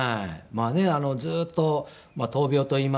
まあねずっと闘病といいますか。